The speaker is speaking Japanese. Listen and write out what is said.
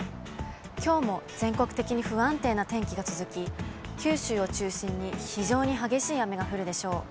きょうも全国的に不安定な天気が続き、九州を中心に非常に激しい雨が降るでしょう。